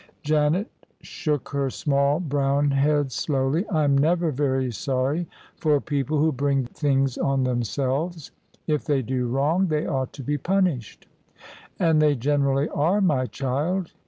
Janet shook her small brown head slowly. " I'm never very sorry for people who bring things on themselves. If they do wrong, they ought to be punished." "And they generally are, my child.